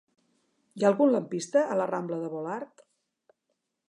Hi ha algun lampista a la rambla de Volart?